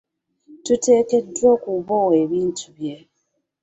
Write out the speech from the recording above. Tuteekeddwa okubowa ebintu bye.